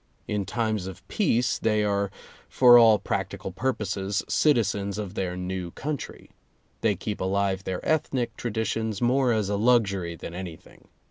In times of peace they are for all practical purposes citizens of their new country. They keep alive their ethnic traditions more as a luxury than any thing.